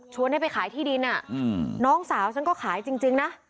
ให้ไปขายที่ดินน้องสาวฉันก็ขายจริงนะ